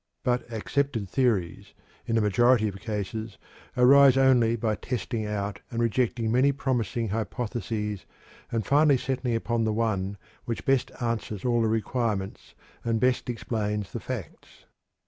But accepted theories, in the majority of cases, arise only by testing out and rejecting many promising hypotheses and finally settling upon the one which best answers all the requirements and best explains the facts.